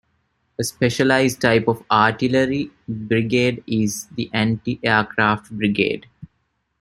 A specialised type of artillery brigade is the anti-aircraft brigade.